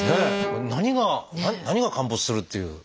これ何が何が陥没するっていう。